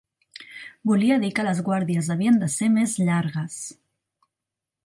Volia dir que les guàrdies havien de ser més llargues